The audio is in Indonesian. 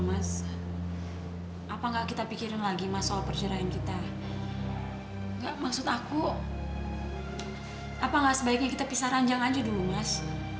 mas mas tunggu dulu mas